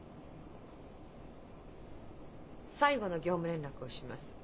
最後の業務連絡をします。